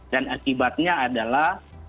dan akibatnya adalah